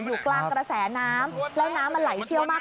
อยู่กลางกระแสน้ำแล้วน้ำมันไหลเชี่ยวมาก